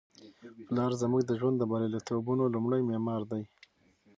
پلار زموږ د ژوند د بریالیتوبونو لومړی معمار دی.